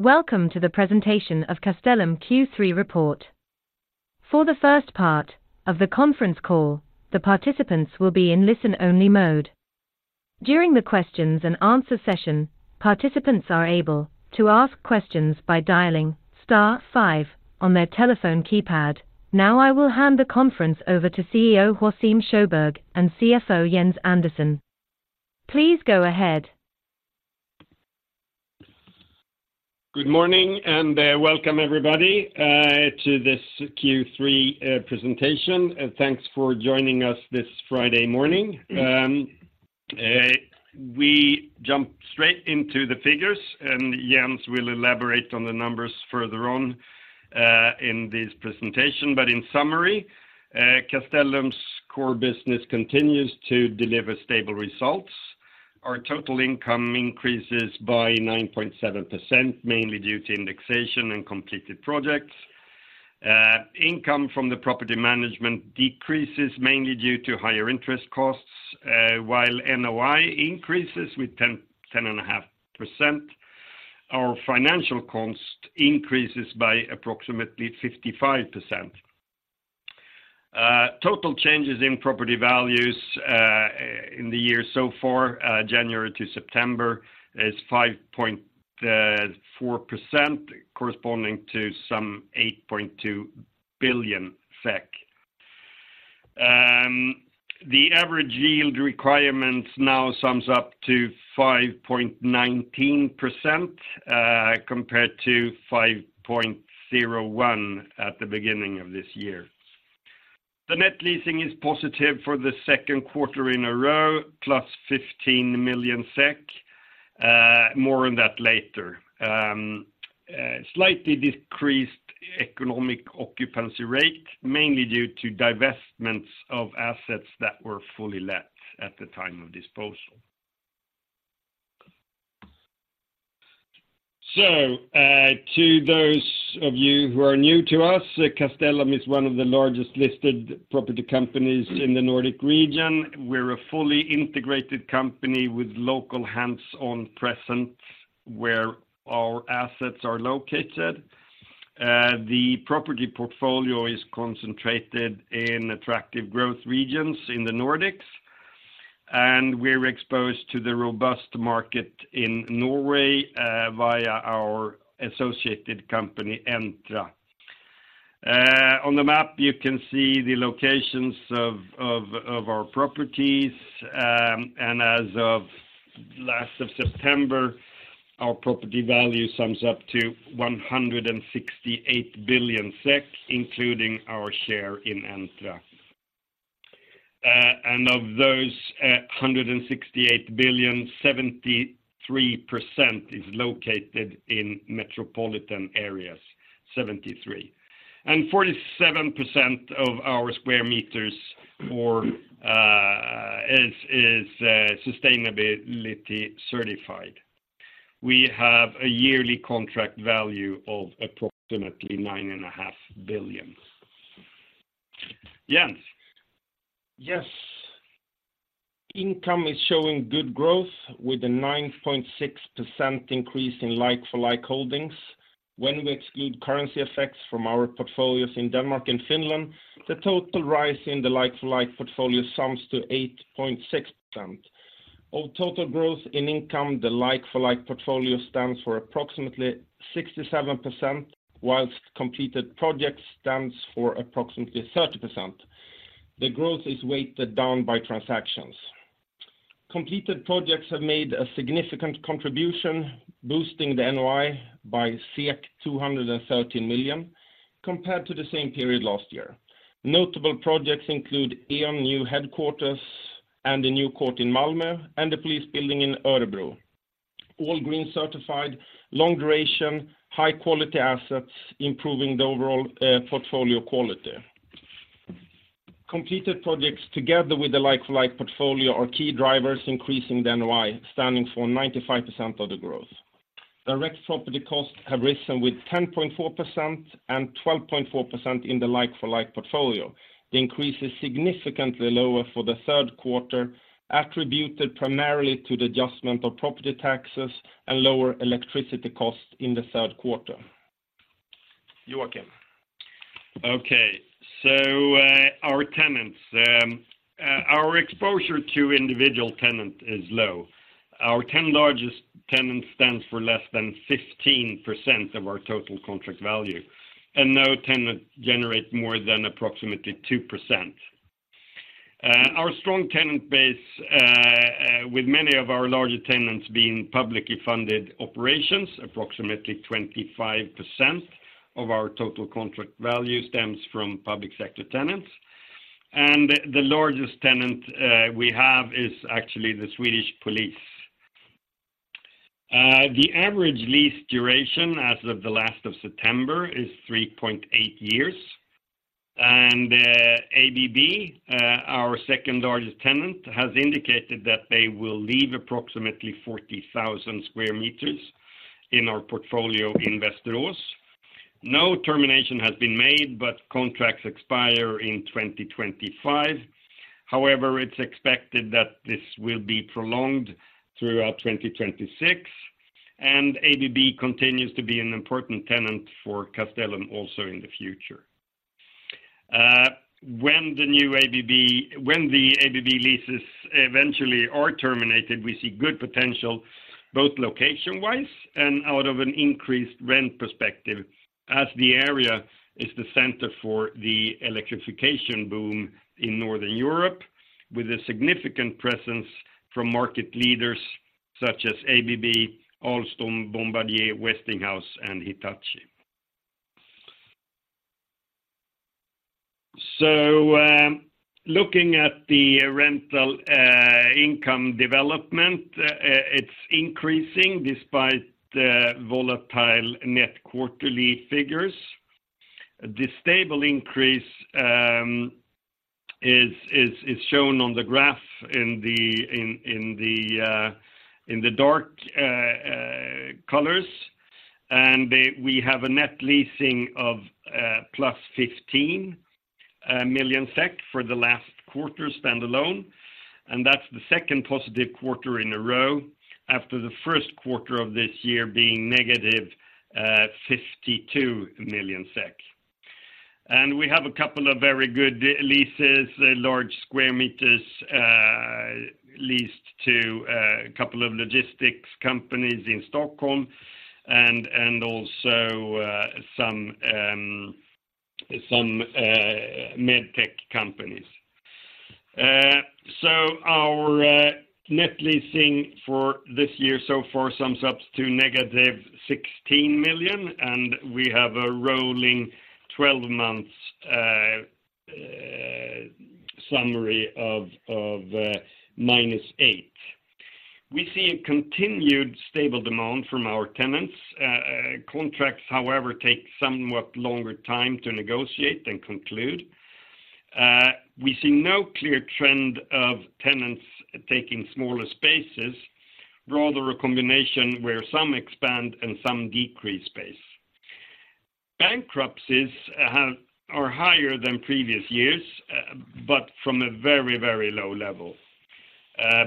Welcome to the presentation of Castellum Q3 report. For the first part of the conference call, the participants will be in listen-only mode. During the questions and answer session, participants are able to ask questions by dialing star five on their telephone keypad. Now, I will hand the conference over to CEO Joacim Sjöberg and CFO Jens Andersson. Please go ahead. Good morning, and welcome everybody to this Q3 presentation, and thanks for joining us this Friday morning. We jump straight into the figures, and Jens will elaborate on the numbers further on in this presentation. But in summary, Castellum's core business continues to deliver stable results. Our total income increases by 9.7%, mainly due to indexation and completed projects. Income from the property management decreases mainly due to higher interest costs, while NOI increases with 10, 10.5%. Our financial cost increases by approximately 55%. Total changes in property values in the year so far, January to September, is 5.4%, corresponding to some SEK 8.2 billion. The average yield requirements now sums up to 5.19%, compared to 5.01% at the beginning of this year. The net leasing is positive for the second quarter in a row, +15 million SEK. More on that later. Slightly decreased economic occupancy rate, mainly due to divestments of assets that were fully let at the time of disposal. So, to those of you who are new to us, Castellum is one of the largest listed property companies in the Nordic region. We're a fully integrated company with local hands-on presence where our assets are located. The property portfolio is concentrated in attractive growth regions in the Nordics, and we're exposed to the robust market in Norway, via our associated company, Entra. On the map, you can see the locations of our properties. As of last of September, our property value sums up to 168 billion SEK, including our share in Entra. Of those, 168 billion, 73% is located in metropolitan areas. 73. 47% of our square meters more is sustainability certified. We have a yearly contract value of approximately 9.5 billion. Jens? Yes. Income is showing good growth, with a 9.6% increase in like-for-like holdings. When we exclude currency effects from our portfolios in Denmark and Finland, the total rise in the like-for-like portfolio sums to 8.6%. Of total growth in income, the like-for-like portfolio stands for approximately 67%, while completed projects stands for approximately 30%. The growth is weighted down by transactions. Completed projects have made a significant contribution, boosting the NOI by 213 million compared to the same period last year. Notable projects include E.ON new headquarters, and the new court in Malmö, and the police building in Örebro. All green-certified, long-duration, high-quality assets, improving the overall portfolio quality. Completed projects, together with the like-for-like portfolio, are key drivers increasing the NOI, standing for 95% of the growth. Direct property costs have risen with 10.4% and 12.4% in the like-for-like portfolio. The increase is significantly lower for the third quarter, attributed primarily to the adjustment of property taxes and lower electricity costs in the third quarter. Joacim. Okay, so, our tenants. Our exposure to individual tenant is low. Our 10 largest tenants stands for less than 15% of our total contract value, and no tenant generates more than approximately 2%. Our strong tenant base, with many of our larger tenants being publicly funded operations, approximately 25% of our total contract value stems from public sector tenants, and the largest tenant we have is actually the Swedish Police. The average lease duration as of the last of September is 3.8 years, and ABB, our second-largest tenant, has indicated that they will leave approximately 40,000 square meters in our portfolio in Västerås. No termination has been made, but contracts expire in 2025. However, it's expected that this will be prolonged throughout 2026, and ABB continues to be an important tenant for Castellum also in the future. When the ABB leases eventually are terminated, we see good potential, both location-wise and out of an increased rent perspective, as the area is the center for the electrification boom in Northern Europe, with a significant presence from market leaders such as ABB, Alstom, Bombardier, Westinghouse, and Hitachi. So, looking at the rental income development, it's increasing despite the volatile net quarterly figures. This stable increase is shown on the graph in the dark colors, and we have a net leasing of plus 15 million SEK for the last quarter standalone. That's the second positive quarter in a row, after the first quarter of this year being negative 52 million SEK. We have a couple of very good leases, large square meters, leased to a couple of logistics companies in Stockholm and also some med tech companies. So our net leasing for this year so far sums up to negative 16 million, and we have a rolling 12-month summary of minus 8 million. We see a continued stable demand from our tenants. Contracts, however, take somewhat longer time to negotiate than conclude. We see no clear trend of tenants taking smaller spaces, rather a combination where some expand and some decrease space. Bankruptcies are higher than previous years, but from a very, very low level.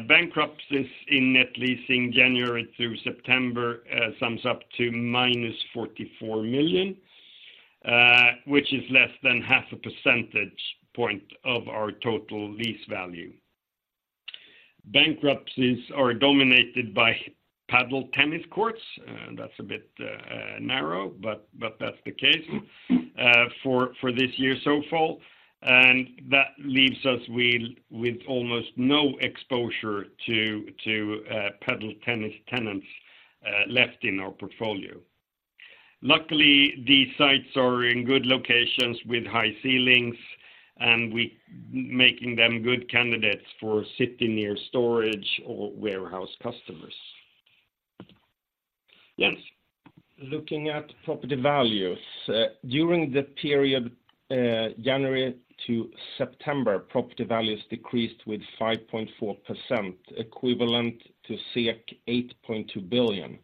Bankruptcies in net leasing January through September sums up to minus 44 million, which is less than half a percentage point of our total lease value. Bankruptcies are dominated by padel tennis courts, and that's a bit narrow, but that's the case for this year so far. That leaves us with almost no exposure to padel tennis tenants left in our portfolio. Luckily, these sites are in good locations with high ceilings, and we making them good candidates for city near storage or warehouse customers. Jens? Looking at property values. During the period January to September, property values decreased with 5.4%, equivalent to 8.2 billion.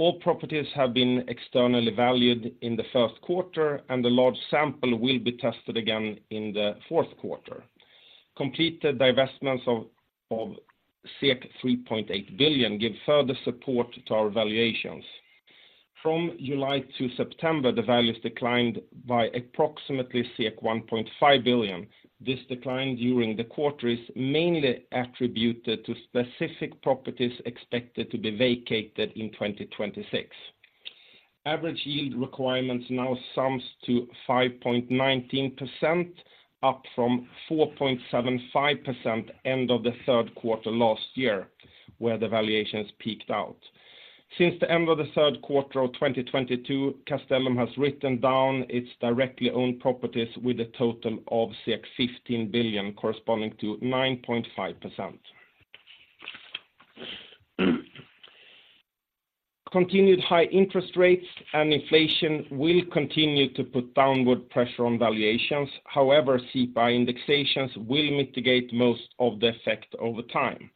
All properties have been externally valued in the first quarter, and the large sample will be tested again in the fourth quarter. Completed divestments of 3.8 billion give further support to our valuations. From July to September, the values declined by approximately 1.5 billion. This decline during the quarter is mainly attributed to specific properties expected to be vacated in 2026. Average yield requirements now sums to 5.19%, up from 4.75% end of the third quarter last year, where the valuations peaked out. Since the end of the third quarter of 2022, Castellum has written down its directly owned properties with a total of 15 billion, corresponding to 9.5%. Continued high interest rates and inflation will continue to put downward pressure on valuations. However, CPI indexations will mitigate most of the effect over time.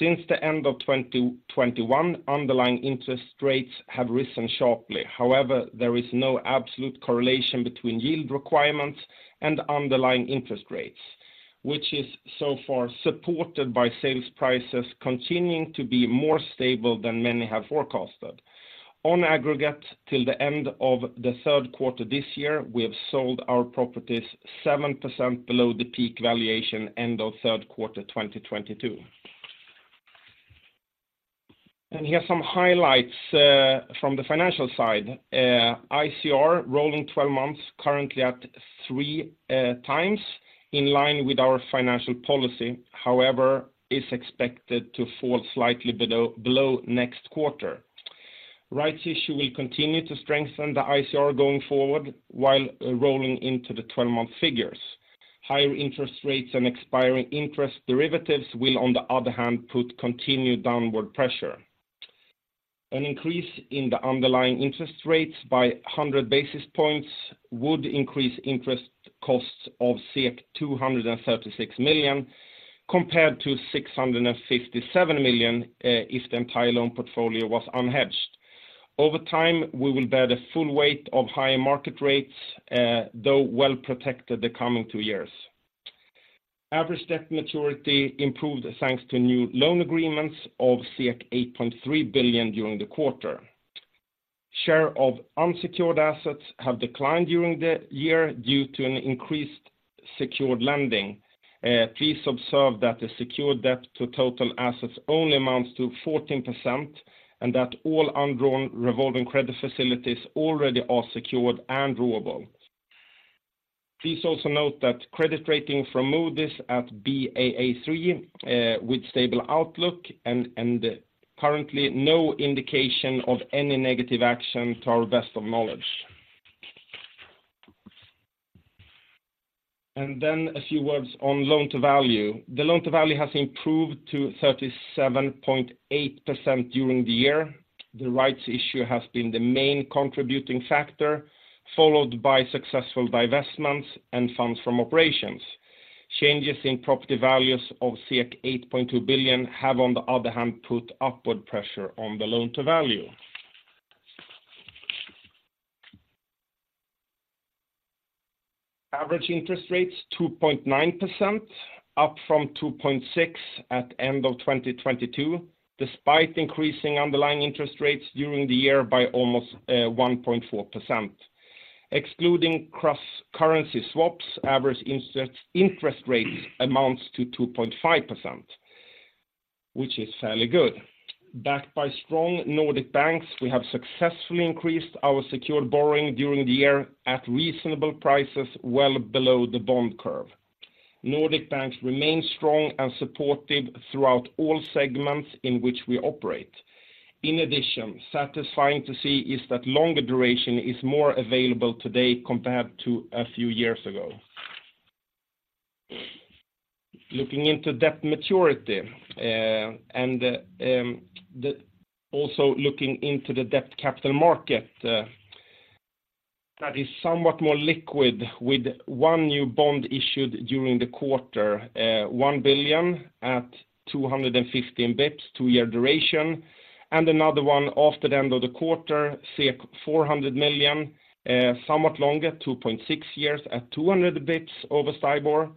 Since the end of 2021, underlying interest rates have risen sharply. However, there is no absolute correlation between yield requirements and underlying interest rates, which is so far supported by sales prices continuing to be more stable than many have forecasted. On aggregate, till the end of the third quarter this year, we have sold our properties 7% below the peak valuation end of third quarter 2022. Here are some highlights from the financial side. ICR, rolling 12 months, currently at 3 times in line with our financial policy, however, is expected to fall slightly below next quarter. Rights issue will continue to strengthen the ICR going forward, while rolling into the 12-month figures. Higher interest rates and expiring interest derivatives will, on the other hand, put continued downward pressure. An increase in the underlying interest rates by 100 basis points would increase interest costs of 236 million compared to 657 million, if the entire loan portfolio was unhedged. Over time, we will bear the full weight of higher market rates, though well protected the coming two years. Average debt maturity improved, thanks to new loan agreements of 8.3 billion during the quarter. Share of unsecured assets have declined during the year due to an increased secured lending. Please observe that the secured debt to total assets only amounts to 14%, and that all undrawn revolving credit facilities already are secured and drawable. Please also note that credit rating from Moody's at Baa3, with stable outlook and currently no indication of any negative action to our best of knowledge. A few words on loan-to-value. The loan-to-value has improved to 37.8% during the year. The rights issue has been the main contributing factor, followed by successful divestments and funds from operations. Changes in property values of 8.2 billion have, on the other hand, put upward pressure on the loan-to-value. Average interest rates, 2.9%, up from 2.6% at end of 2022, despite increasing underlying interest rates during the year by almost 1.4%. Excluding cross-currency swaps, average interest rate amounts to 2.5%, which is fairly good. Backed by strong Nordic banks, we have successfully increased our secured borrowing during the year at reasonable prices, well below the bond curve. Nordic banks remain strong and supportive throughout all segments in which we operate. In addition, satisfying to see is that longer duration is more available today compared to a few years ago. Looking into debt maturity and also looking into the debt capital market, that is somewhat more liquid, with one new bond issued during the quarter, 1 billion at 215 basis points, two-year duration, and another one after the end of the quarter, 400 million, somewhat longer, 2.6 years, at 200 basis points over STIBOR.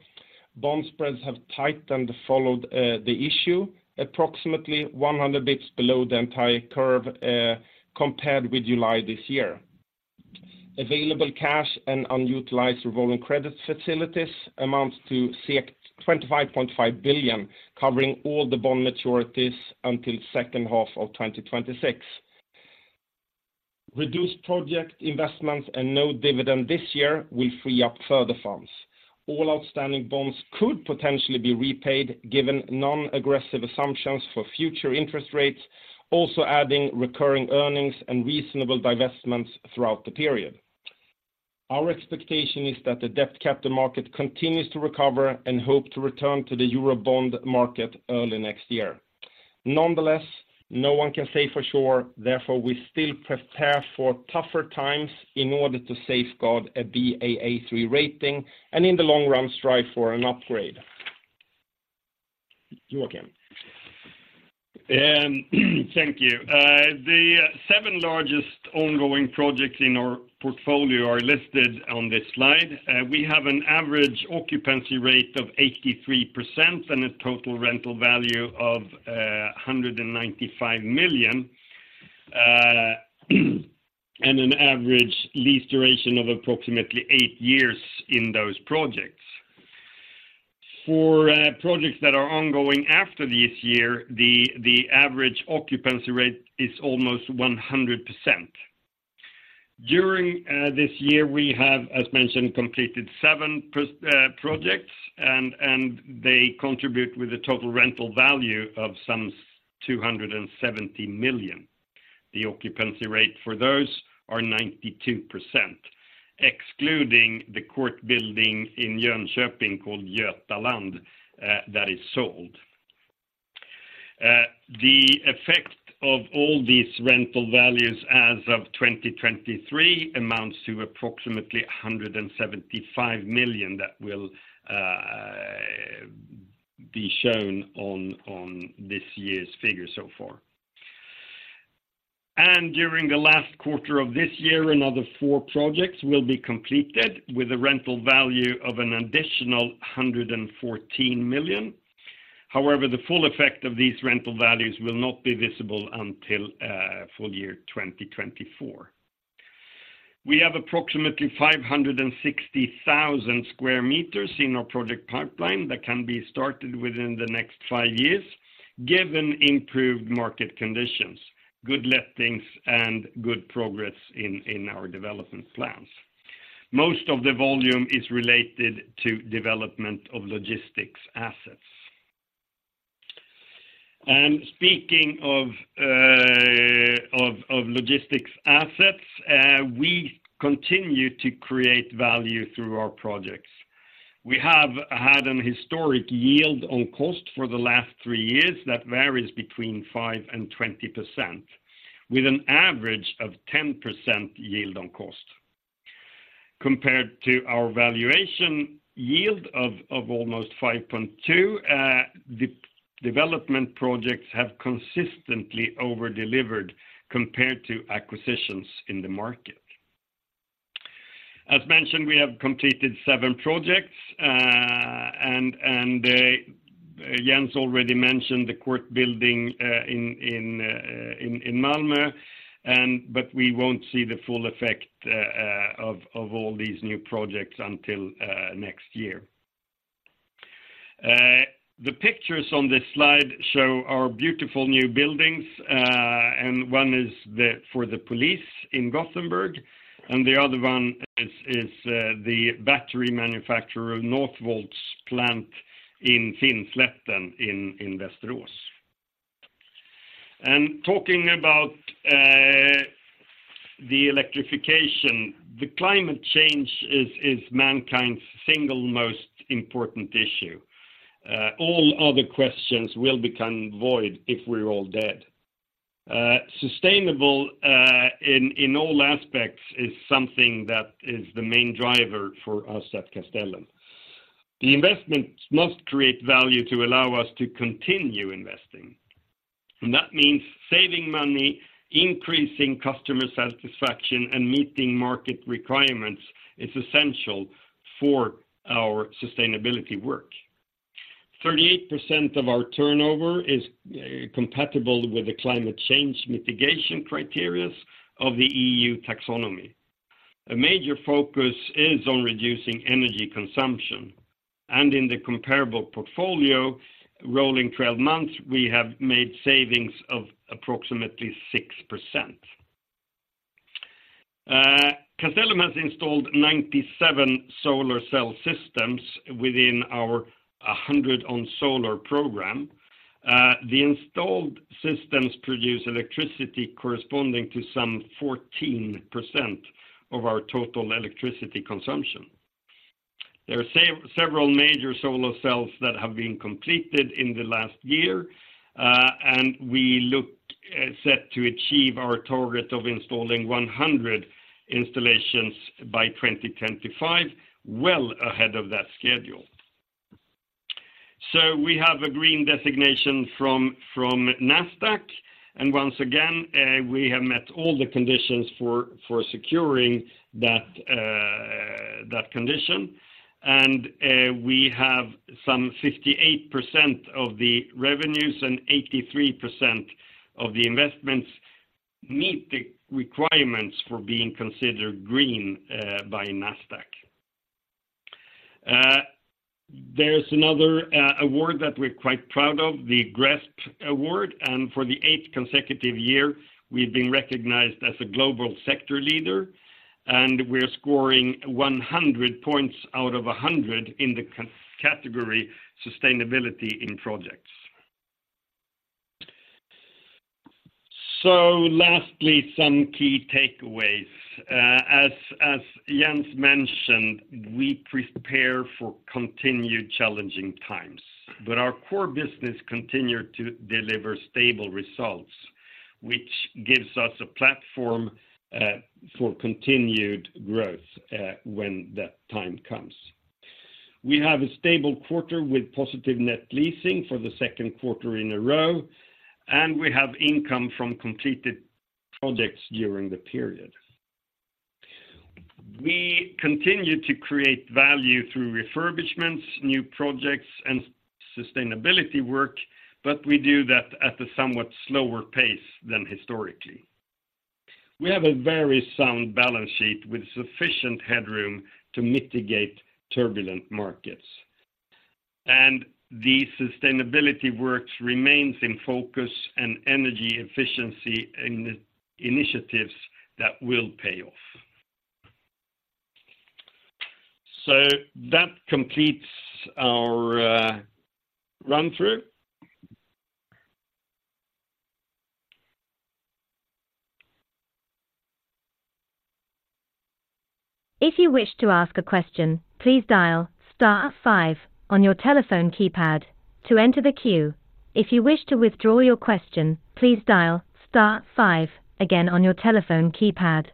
Bond spreads have tightened following the issue, approximately 100 basis points below the entire curve, compared with July this year. Available cash and unutilized revolving credit facilities amounts to 25.5 billion, covering all the bond maturities until second half of 2026. Reduced project investments and no dividend this year will free up further funds. All outstanding bonds could potentially be repaid, given non-aggressive assumptions for future interest rates, also adding recurring earnings and reasonable divestments throughout the period. Our expectation is that the debt capital market continues to recover and hope to return to the Eurobond market early next year. Nonetheless, no one can say for sure, therefore, we still prepare for tougher times in order to safeguard a Baa3 rating, and in the long run, strive for an upgrade. Joacim. Thank you. The seven largest ongoing projects in our portfolio are listed on this slide. We have an average occupancy rate of 83% and a total rental value of 195 million and an average lease duration of approximately eight years in those projects. For projects that are ongoing after this year, the average occupancy rate is almost 100%. During this year, we have, as mentioned, completed seven projects and they contribute with a total rental value of some 270 million. The occupancy rate for those are 92%, excluding the court building in Jönköping called Götaland that is sold. The effect of all these rental values as of 2023 amounts to approximately 175 million that will be shown on this year's figure so far. And during the last quarter of this year, another four projects will be completed with a rental value of an additional 114 million. However, the full effect of these rental values will not be visible until full year 2024. We have approximately 560,000 square meters in our project pipeline that can be started within the next five years, given improved market conditions, good lettings, and good progress in our development plans. Most of the volume is related to development of logistics assets. And speaking of logistics assets, we continue to create value through our projects. We have had an historic yield on cost for the last three years that varies between 5%-20%, with an average of 10% yield on cost.... compared to our valuation yield of almost 5.2%, the development projects have consistently over-delivered compared to acquisitions in the market. As mentioned, we have completed seven projects, and Jens already mentioned the court building in Malmö, but we won't see the full effect of all these new projects until next year. The pictures on this slide show our beautiful new buildings, and one is for the police in Gothenburg, and the other one is the battery manufacturer, Northvolt's plant in Finnslätten, in Västerås. And talking about the electrification, the climate change is mankind's single most important issue. All other questions will become void if we're all dead. Sustainable, in all aspects, is something that is the main driver for us at Castellum. The investments must create value to allow us to continue investing. And that means saving money, increasing customer satisfaction, and meeting market requirements is essential for our sustainability work. 38% of our turnover is compatible with the climate change mitigation criteria of the EU Taxonomy. A major focus is on reducing energy consumption, and in the comparable portfolio, rolling twelve months, we have made savings of approximately 6%. Castellum has installed 97 solar cell systems within our 100 on solar program. The installed systems produce electricity corresponding to some 14% of our total electricity consumption. There are several major solar cells that have been completed in the last year, and we look set to achieve our target of installing 100 installations by 2025, well ahead of that schedule. So we have a green designation from Nasdaq, and once again, we have met all the conditions for securing that condition. And we have some 58% of the revenues and 83% of the investments meet the requirements for being considered green by Nasdaq. There's another award that we're quite proud of, the GRESB Award, and for the eighth consecutive year, we've been recognized as a global sector leader, and we're scoring 100 points out of 100 in the category, sustainability in projects. So lastly, some key takeaways. As Jens mentioned, we prepare for continued challenging times, but our core business continue to deliver stable results, which gives us a platform for continued growth when that time comes. We have a stable quarter with positive net leasing for the second quarter in a row, and we have income from completed projects during the period. We continue to create value through refurbishments, new projects, and sustainability work, but we do that at a somewhat slower pace than historically. We have a very sound balance sheet with sufficient headroom to mitigate turbulent markets. And the sustainability works remains in focus and energy efficiency in initiatives that will pay off. So that completes our run-through. If you wish to ask a question, please dial star five on your telephone keypad to enter the queue. If you wish to withdraw your question, please dial star five again on your telephone keypad.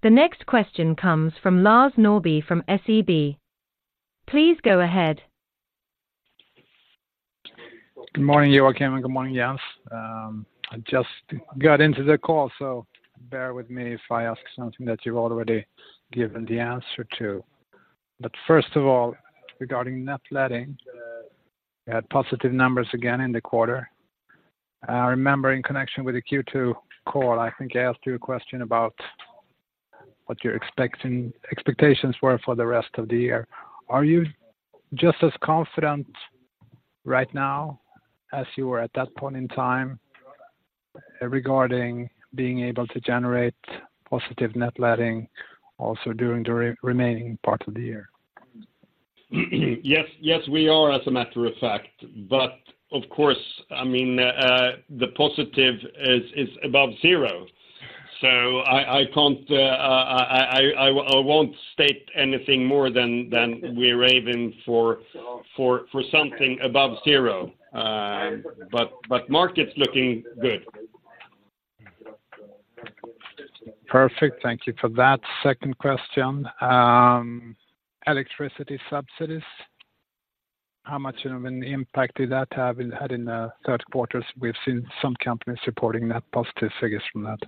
The next question comes from Lars Norrby, from SEB. Please go ahead. Good morning, Joacim, and good morning, Jens. I just got into the call, so bear with me if I ask something that you've already given the answer to. But first of all, regarding net letting, you had positive numbers again in the quarter. I remember in connection with the Q2 call, I think I asked you a question about what you're expecting, expectations were for the rest of the year. Are you just as confident right now as you were at that point in time, regarding being able to generate positive net letting, also during the remaining part of the year? Yes, yes, we are, as a matter of fact, but of course, I mean, the positive is above zero. So I can't, I won't state anything more than we're aiming for something above zero. But the market's looking good. Perfect. Thank you for that. Second question. Electricity subsidies, how much of an impact did that have in—had in the third quarter? We've seen some companies reporting net positive figures from that.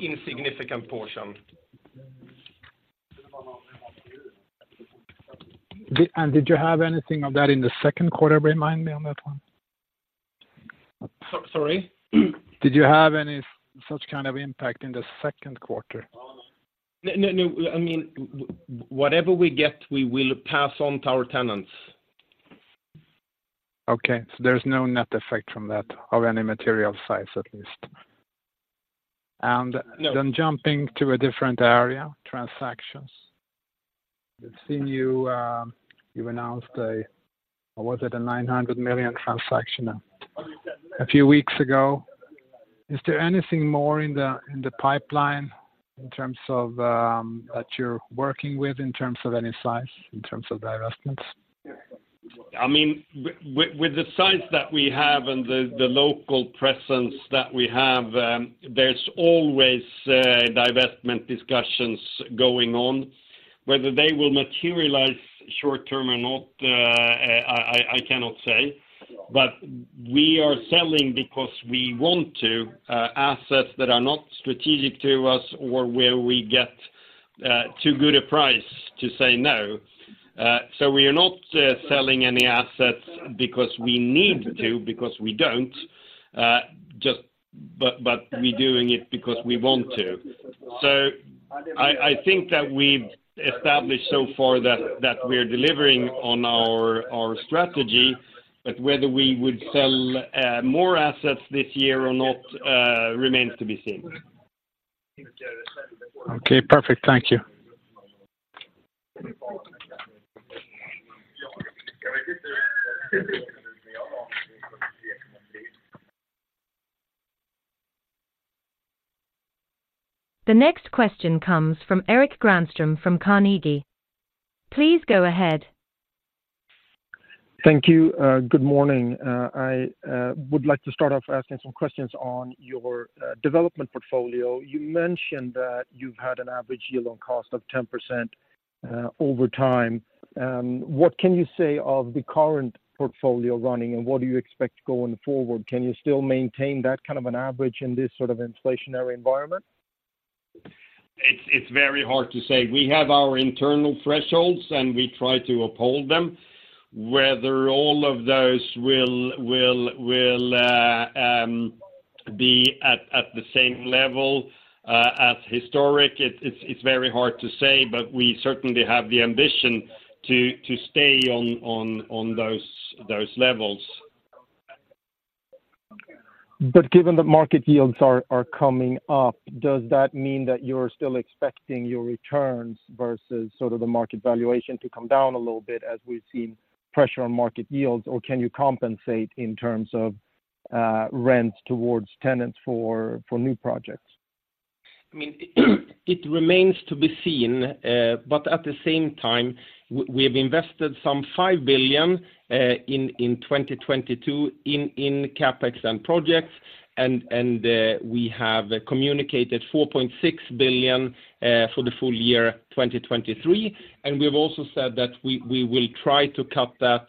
Insignificant portion. Did you have anything of that in the second quarter? Remind me on that one. So- sorry? Did you have any such kind of impact in the second quarter? No, no, no. I mean, whatever we get, we will pass on to our tenants. Okay, so there's no net effect from that, of any material size, at least. No. And then jumping to a different area, transactions. We've seen you, you announced a, was it a 900 million transaction a few weeks ago? Is there anything more in the, in the pipeline in terms of, that you're working with, in terms of any size, in terms of divestments? I mean, with the size that we have and the local presence that we have, there's always divestment discussions going on. Whether they will materialize short term or not, I cannot say. But we are selling because we want to assets that are not strategic to us or where we get too good a price to say no. So we are not selling any assets because we need to, because we don't just... but we're doing it because we want to. So I think that we've established so far that we're delivering on our strategy, but whether we would sell more assets this year or not remains to be seen. Okay, perfect. Thank you. The next question comes from Erik Granström from Carnegie. Please go ahead. Thank you, good morning. I would like to start off asking some questions on your development portfolio. You mentioned that you've had an average yield on cost of 10% over time. What can you say of the current portfolio running, and what do you expect going forward? Can you still maintain that kind of an average in this sort of inflationary environment? It's very hard to say. We have our internal thresholds, and we try to uphold them. Whether all of those will be at the same level as historic, it's very hard to say, but we certainly have the ambition to stay on those levels. But given that market yields are coming up, does that mean that you're still expecting your returns versus sort of the market valuation to come down a little bit as we've seen pressure on market yields, or can you compensate in terms of rent towards tenants for new projects? I mean, it remains to be seen, but at the same time, we have invested some 5 billion in 2022 in CapEx and projects, and we have communicated 4.6 billion for the full year 2023. And we have also said that we will try to cut that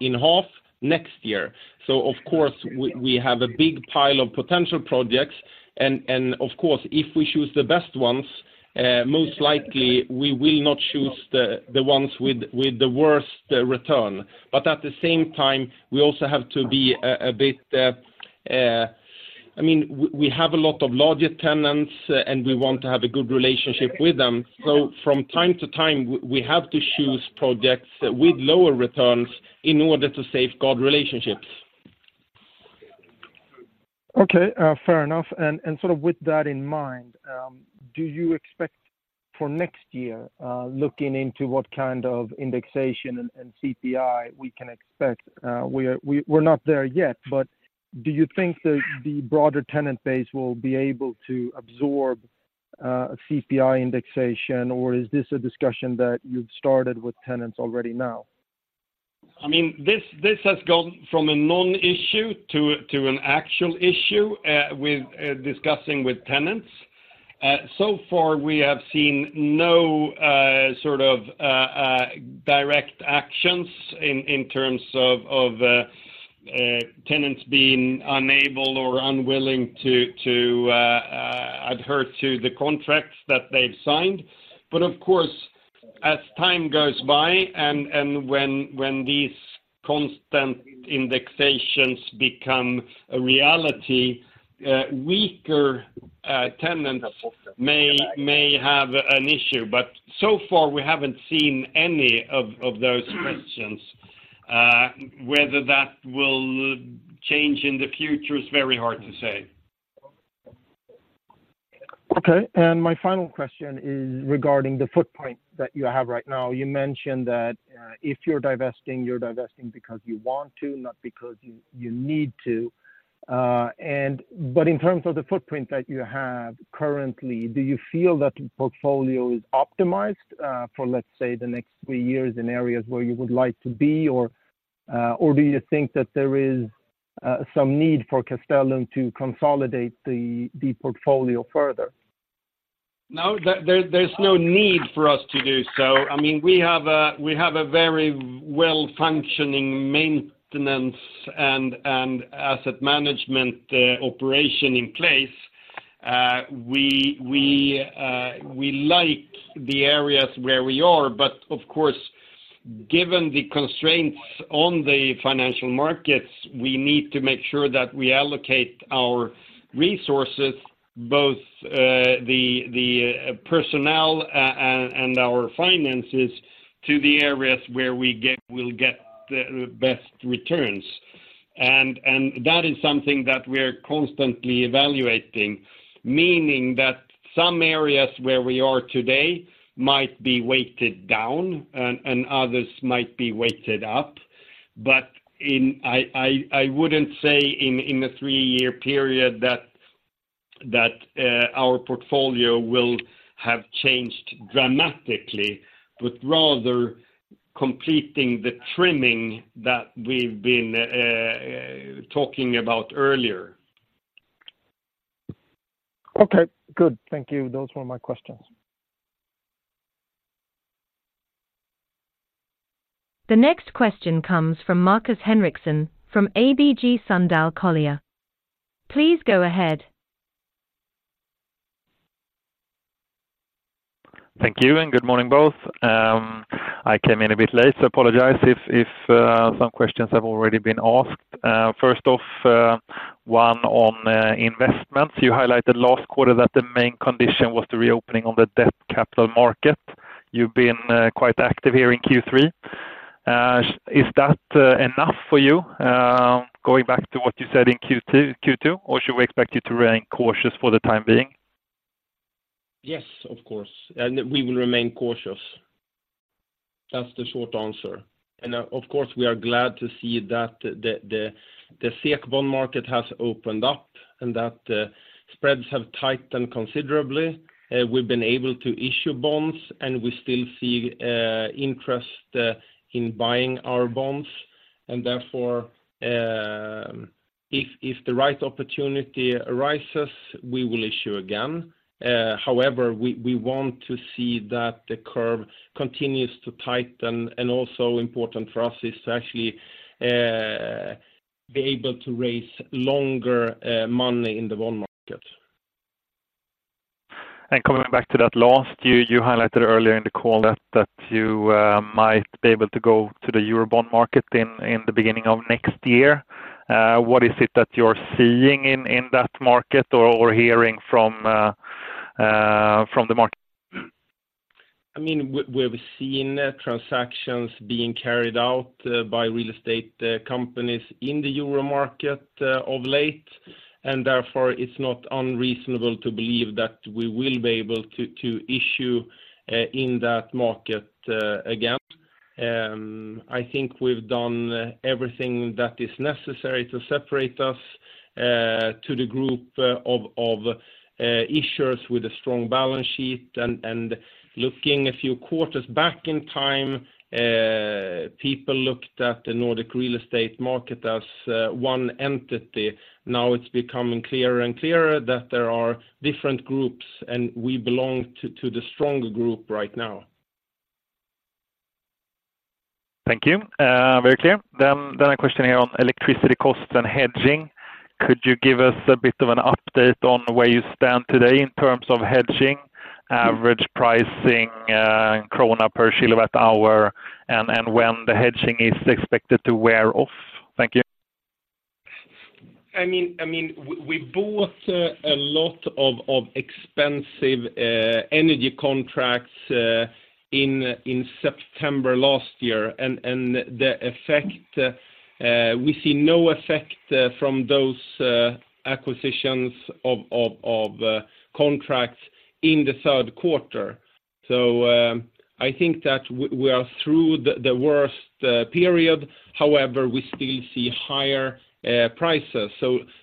in half next year. So of course, we have a big pile of potential projects, and of course, if we choose the best ones, most likely we will not choose the ones with the worst return. But at the same time, we also have to be a bit... I mean, we have a lot of larger tenants, and we want to have a good relationship with them. From time to time, we have to choose projects with lower returns in order to safeguard relationships. Okay, fair enough. And sort of with that in mind, do you expect for next year, looking into what kind of indexation and CPI we can expect? We're not there yet, but do you think the broader tenant base will be able to absorb a CPI indexation, or is this a discussion that you've started with tenants already now? I mean, this, this has gone from a non-issue to, to an actual issue, with, discussing with tenants. So far, we have seen no, sort of, direct actions in, in terms of, of, tenants being unable or unwilling to, to, adhere to the contracts that they've signed. But of course, as time goes by and, and when, when these constant indexations become a reality, weaker, tenants may, may have an issue. But so far, we haven't seen any of, of those questions. Whether that will change in the future is very hard to say.... Okay, and my final question is regarding the footprint that you have right now. You mentioned that if you're divesting, you're divesting because you want to, not because you need to. And but in terms of the footprint that you have currently, do you feel that the portfolio is optimized for, let's say, the next three years in areas where you would like to be? Or do you think that there is some need for Castellum to consolidate the portfolio further? No, there's no need for us to do so. I mean, we have a very well-functioning maintenance and asset management operation in place. We like the areas where we are, but of course, given the constraints on the financial markets, we need to make sure that we allocate our resources, both the personnel and our finances, to the areas where we'll get the best returns. And that is something that we are constantly evaluating, meaning that some areas where we are today might be weighted down, and others might be weighted up. But I wouldn't say in a three-year period that our portfolio will have changed dramatically, but rather completing the trimming that we've been talking about earlier. Okay, good. Thank you. Those were my questions. The next question comes from Markus Henriksson, from ABG Sundal Collier. Please go ahead. Thank you, and good morning, both. I came in a bit late, so I apologize if some questions have already been asked. First off, one on investment. You highlighted last quarter that the main condition was the reopening of the debt capital market. You've been quite active here in Q3. Is that enough for you? Going back to what you said in Q2, or should we expect you to remain cautious for the time being? Yes, of course. And we will remain cautious. That's the short answer. And, of course, we are glad to see that the SEK bond market has opened up and that spreads have tightened considerably. We've been able to issue bonds, and we still see interest in buying our bonds, and therefore, if the right opportunity arises, we will issue again. However, we want to see that the curve continues to tighten, and also important for us is to actually be able to raise longer money in the bond market. Coming back to that last, you highlighted earlier in the call that you might be able to go to the Euro bond market in the beginning of next year. What is it that you're seeing in that market or hearing from the market? I mean, we've seen transactions being carried out by real estate companies in the Euro market of late, and therefore, it's not unreasonable to believe that we will be able to issue in that market again. I think we've done everything that is necessary to separate us to the group of issuers with a strong balance sheet. And looking a few quarters back in time, people looked at the Nordic real estate market as one entity. Now, it's becoming clearer and clearer that there are different groups, and we belong to the stronger group right now. Thank you. Very clear. Then a question here on electricity costs and hedging. Could you give us a bit of an update on where you stand today in terms of hedging, average pricing, krona per kWh, and when the hedging is expected to wear off? Thank you. I mean, I mean, we bought a lot of expensive energy contracts in September last year. The effect, we see no effect from those acquisitions of contracts in the third quarter. I think that we are through the worst period. However, we still see higher prices.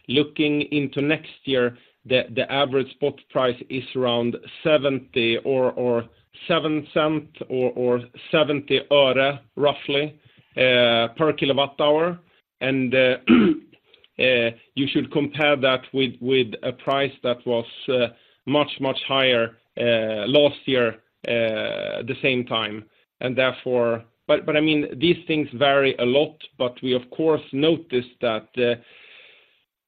Looking into next year, the average spot price is around 70, or 7 cent, or 70 öre, roughly, per kWh. You should compare that with a price that was much, much higher last year, the same time, and therefore... I mean, these things vary a lot, but we, of course, noticed that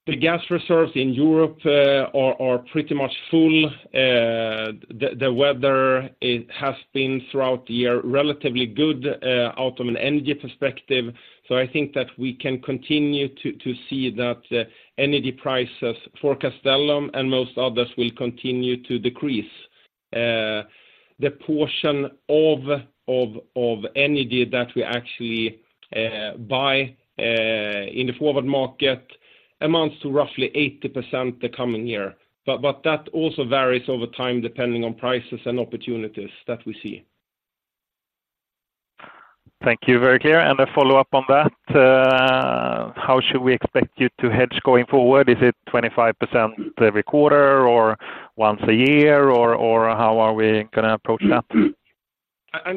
the gas reserves in Europe are pretty much full. The weather, it has been throughout the year, relatively good, out of an energy perspective. So I think that we can continue to see that, energy prices for Castellum and most others will continue to decrease.... the portion of energy that we actually buy in the forward market amounts to roughly 80% the coming year. But that also varies over time, depending on prices and opportunities that we see. Thank you. Very clear. A follow-up on that, how should we expect you to hedge going forward? Is it 25% every quarter or once a year, or, or how are we going to approach that? I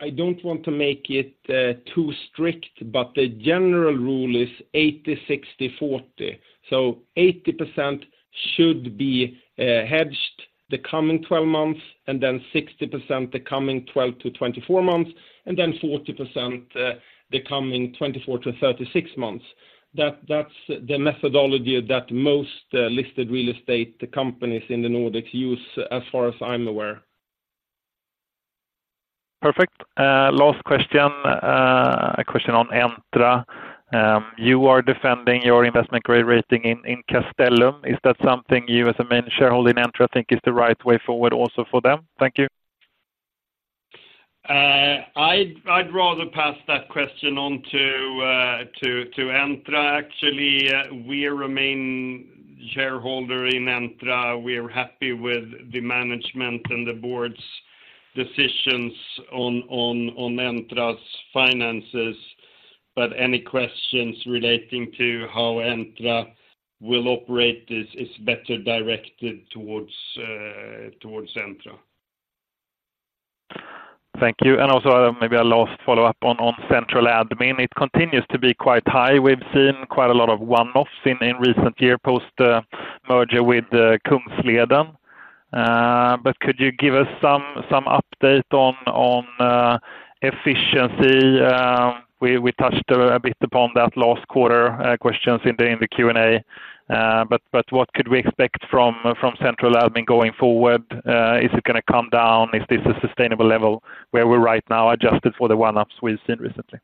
mean, I don't want to make it too strict, but the general rule is 80, 60, 40. So 80% should be hedged the coming 12 months, and then 60% the coming 12-24 months, and then 40% the coming 24-36 months. That's the methodology that most listed real estate companies in the Nordics use, as far as I'm aware. Perfect. Last question. A question on Entra. You are defending your investment grade rating in, in Castellum. Is that something you, as a main shareholder in Entra, think is the right way forward also for them? Thank you. I'd rather pass that question on to Entra. Actually, we remain shareholder in Entra. We're happy with the management and the board's decisions on Entra's finances, but any questions relating to how Entra will operate is better directed towards Entra. Thank you. And also, maybe a last follow-up on central admin. It continues to be quite high. We've seen quite a lot of one-offs in recent year, post merger with Kungsleden. But could you give us some update on efficiency? We touched a bit upon that last quarter, questions in the Q&A. But what could we expect from central admin going forward? Is it going to come down? Is this a sustainable level where we're right now, adjusted for the one-offs we've seen recently?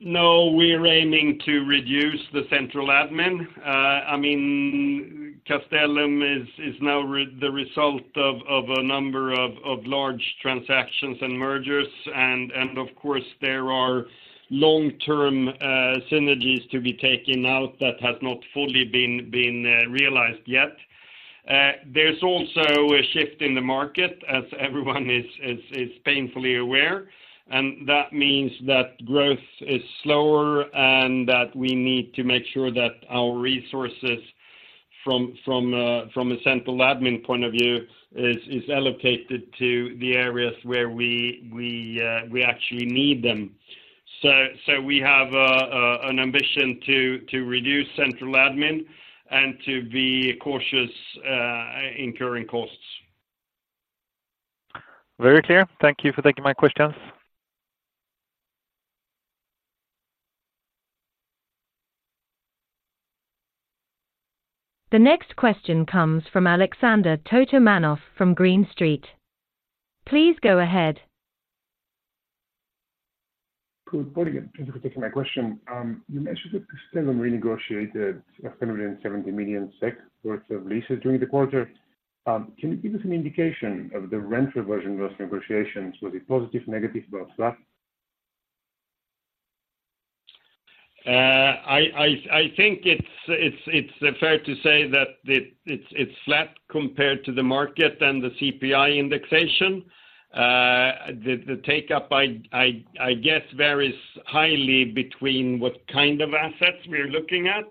No, we're aiming to reduce the central admin. I mean, Castellum is now the result of a number of large transactions and mergers, and of course, there are long-term synergies to be taken out that has not fully been realized yet. There's also a shift in the market, as everyone is painfully aware, and that means that growth is slower, and that we need to make sure that our resources from a central admin point of view is allocated to the areas where we actually need them. So we have an ambition to reduce central admin and to be cautious in incurring costs. Very clear. Thank you for taking my questions. The next question comes from Alexander Totomanov from Green Street. Please go ahead. Good morning, and thank you for taking my question. You mentioned that Castellum renegotiated 170 million SEK worth of leases during the quarter. Can you give us an indication of the rent reversion those negotiations? Was it positive, negative, about flat? I think it's fair to say that it's flat compared to the market and the CPI indexation. The take-up, I guess, varies highly between what kind of assets we're looking at,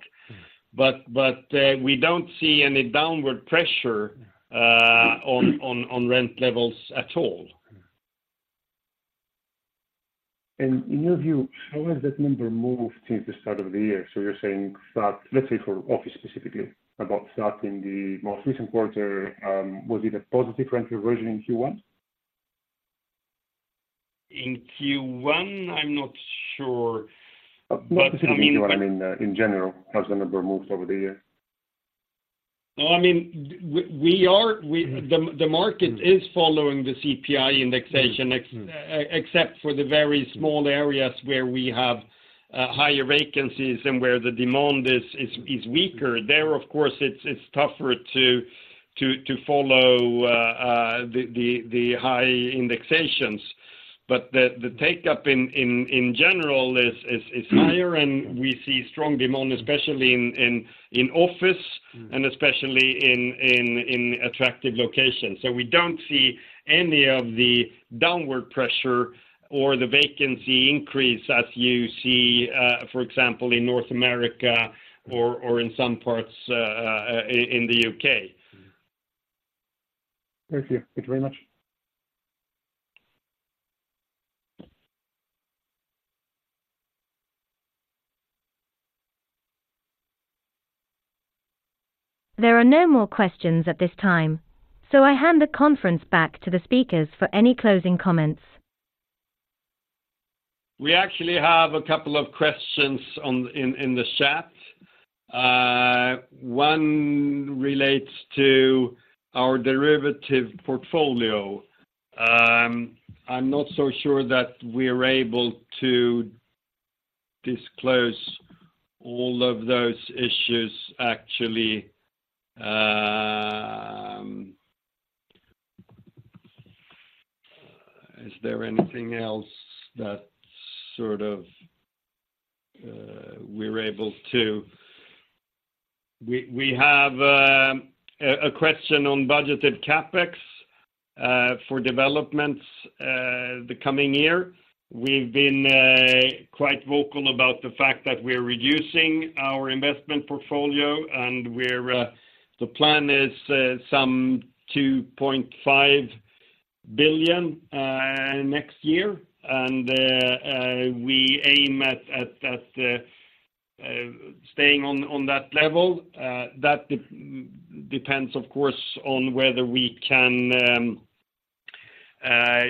but we don't see any downward pressure. Yeah. On rent levels at all. In your view, how has that number moved since the start of the year? You're saying that, let's say for office specifically, about starting the most recent quarter, was it a positive rent reversion in Q1? In Q1, I'm not sure. Not specifically Q1, I mean, in general, how has the number moved over the year? No, I mean, we are- Mm-hmm. The market- Mm-hmm. is following the CPI indexation. Mm-hmm, mm-hmm. except for the very small areas where we have higher vacancies and where the demand is weaker. There, of course, it's tougher to follow the high indexations. But the take-up in general is higher- Mm-hmm. -and we see strong demand, especially in office- Mm-hmm and especially in attractive locations. So we don't see any of the downward pressure or the vacancy increase as you see, for example, in North America. Mm-hmm or, or in some parts in the U.K. Mm-hmm. Thank you. Thank you very much. There are no more questions at this time, so I hand the conference back to the speakers for any closing comments. We actually have a couple of questions on in the chat. One relates to our derivative portfolio. I'm not so sure that we're able to disclose all of those issues, actually. Is there anything else that sort of we're able to? We have a question on budgeted CapEx for developments the coming year. We've been quite vocal about the fact that we're reducing our investment portfolio, and we're. The plan is some 2.5 billion next year, and we aim at staying on that level. That depends, of course, on whether we can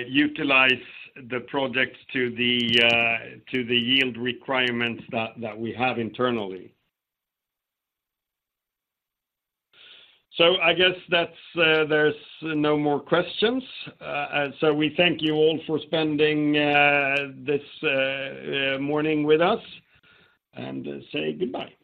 utilize the projects to the yield requirements that we have internally. So I guess that's, there's no more questions. So we thank you all for spending this morning with us and say goodbye.